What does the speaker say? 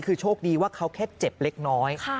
คือโชคดีว่าเขาแค่เจ็บเล็กน้อย